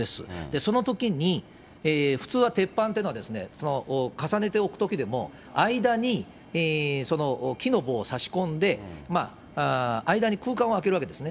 そのときに普通は鉄板というのは重ねて置くときでも、間に、その木の棒を差し込んで、間に空間をあけるわけですね。